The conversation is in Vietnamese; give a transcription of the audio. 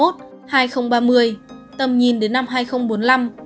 tầm nhìn đến năm hai nghìn bốn mươi năm